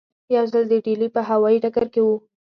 یو ځل د ډیلي په هوایي ډګر کې وو.